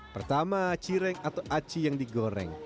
pertama cireng atau aci yang digoreng